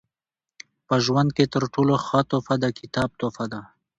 په ژوند کښي تر ټولو ښه تحفه د کتاب تحفه ده.